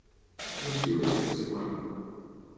Qui va escriure aquesta seqüela?